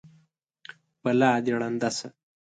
بلا دې ړنده شه!